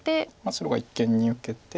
白が一間に受けて。